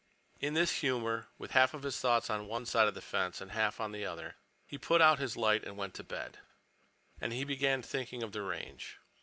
In this humor, with half of his thoughts on one side of the fence and half on the other, he put out his light and went to bed. And he began thinking of the Range.